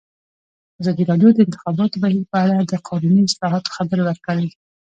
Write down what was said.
ازادي راډیو د د انتخاباتو بهیر په اړه د قانوني اصلاحاتو خبر ورکړی.